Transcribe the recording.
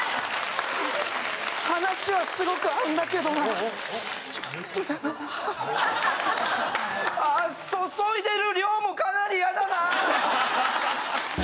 話はすごく合うんだけどなちょっとなそそいでる量もかなり嫌だなあ！